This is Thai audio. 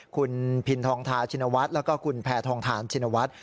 คุณพินทองทาชินวัฒน์แล้วก็คุณแพทองทานชินวัฒน์